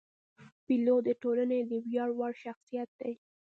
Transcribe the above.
پیلوټ د ټولنې د ویاړ وړ شخصیت دی.